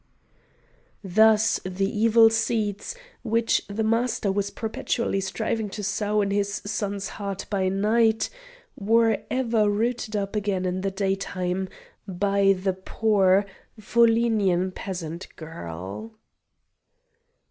Thus the evil seeds which the Master was perpetually striving to sow in his son's heart by night, were ever rooted up again in the daytime by the poor Volhynian peasant girl.